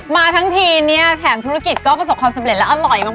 มาทั้งทีเนี่ยแถมธุรกิจก็ประสบความสำเร็จและอร่อยมาก